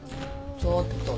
ちょっと。